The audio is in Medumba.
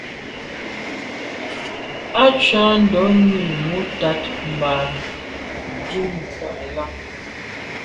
A tshùa ndonni nwù tat mba dum tà là.